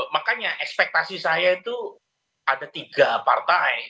makanya ekspektasi saya itu ada tiga partai